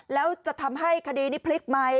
แล้วจะทำให้คดีนี้พลิกไหม